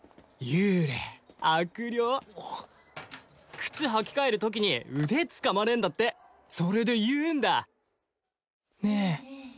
幽霊悪霊靴履きかえる時に腕つかまれんだってそれで言うんだねえ